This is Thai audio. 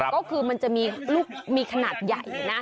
ก็คือมันจะมีลูกมีขนาดใหญ่นะ